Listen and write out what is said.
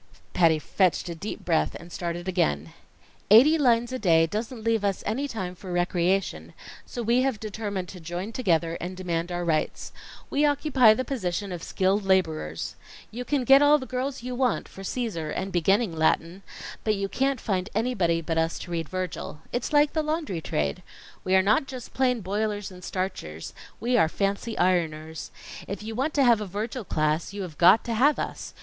Patty fetched a deep breath and started again. "Eighty lines a day doesn't leave us any time for recreation, so we have determined to join together and demand our rights. We occupy the position of skilled laborers. You can get all the girls you want for Cæsar and beginning Latin, but you can't find anybody but us to read Virgil. It's like the laundry trade. We are not just plain boilers and starchers; we are fancy ironers. If you want to have a Virgil class, you have got to have us.